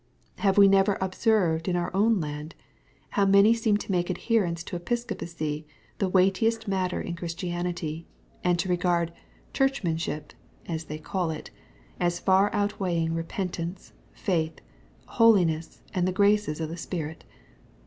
— Have we never observed in our own land, how many seem to make adherence to Episco ' pacy the weightiest matter in Christianity, and to regard " Churchmanship," as they call it, as far outweighing repentance, faith, holiness, and the graces of the Spirit